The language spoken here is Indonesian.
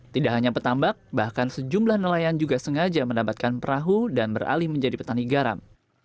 tidak hanya petambak bahkan sejumlah nelayan juga sengaja mendapatkan perahu dan beralih menjadi petani garam